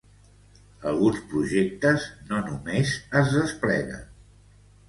Alguns projectes no només es despleguen